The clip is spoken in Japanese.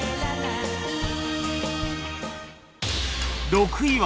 ６位は